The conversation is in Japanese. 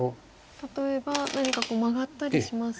例えば何かマガったりしますと。